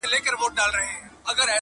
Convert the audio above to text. چي یوه ژبه لري هغه په دار دی,